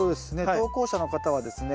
投稿者の方はですね